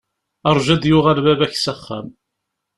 Rju a d-yuɣal baba-k s axxam.